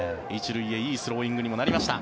１塁へいいスローイングにもなりました。